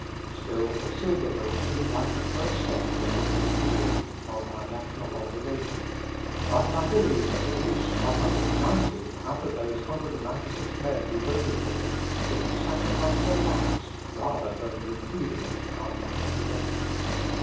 Still, the Silver Bill seemed like the first step towards repudiation of our national obligation, but I believe that at least 190 out of those 196 men who voted for it would have sacrificed their lives rather than repudiate our national debt.